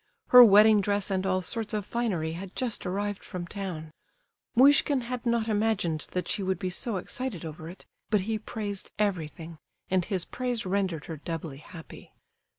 Her wedding dress and all sorts of finery had just arrived from town. Muishkin had not imagined that she would be so excited over it, but he praised everything, and his praise rendered her doubly happy.